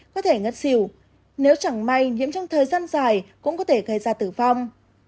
có thể ngất xỉu nếu chẳng may nhiễm trong thời gian dài cũng có thể gây ra tử vong